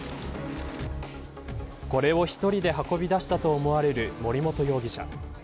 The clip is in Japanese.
これを１人で運び出したと思われる、森本容疑者。